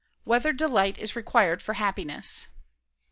1] Whether Delight Is Required for Happiness?